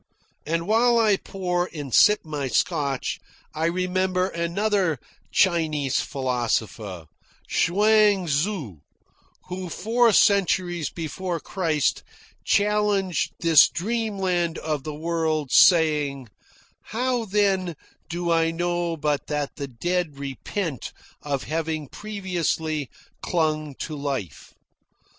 And while I pour and sip my Scotch, I remember another Chinese philosopher, Chuang Tzu, who, four centuries before Christ, challenged this dreamland of the world, saying: "How then do I know but that the dead repent of having previously clung to life?